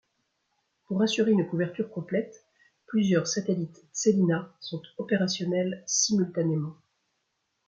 Pour assurer une couverture complète, plusieurs satellites Tselina sont opérationnels simultanément.